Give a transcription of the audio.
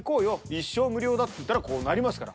一生無料だっていったらこうなりますから。